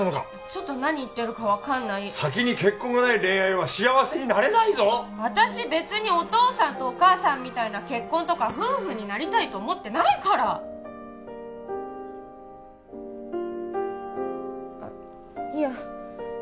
ちょっと何言ってるか分かんない先に結婚がない恋愛は幸せになれないぞ私別にお父さんとお母さんみたいな結婚とか夫婦になりたいと思ってないからあっいや